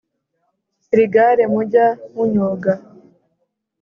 Iri gare mujya munyoga